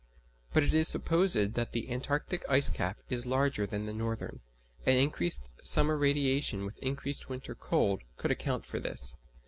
But it is supposed that the Antarctic ice cap is larger than the northern, and increased summer radiation with increased winter cold would account for this.